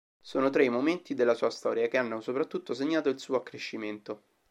Sono tre i momenti della sua storia che hanno soprattutto segnato il suo accrescimento.